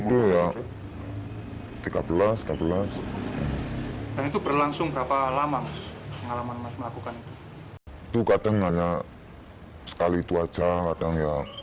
tiga belas tiga belas dan itu berlangsung berapa lama mengalami melakukan itu kadang hanya sekali itu aja kadang